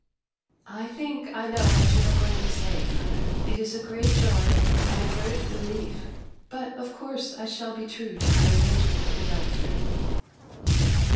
'I think I know what you are going to say, mother. It is a great joy and a great relief, but of course I shall be true to my engagement with the Doctor.